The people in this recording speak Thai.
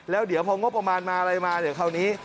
แล้วเดี๋ยวพองบประมาณมาอะไรมาเดี๋ยวคราวนี้